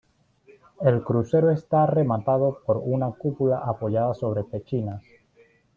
El crucero está rematado por una cúpula apoyada sobre pechinas.